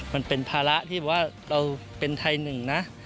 มันเป็นภาระที่ว่าเราเป็นไทยหนึ่งนะ